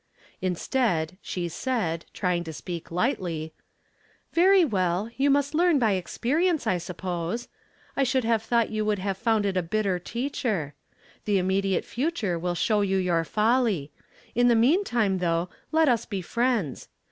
Instead, she said trying to speak lightly, —' "Very well; you must learn by experience I suppose. I should have thought you would ha've foum It a bitter teacher. The inunediate future will slio w you your folly, hi the meantime, thoncr], et us be friends.